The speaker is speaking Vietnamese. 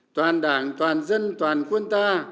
toàn đảng toàn dân toàn quân ta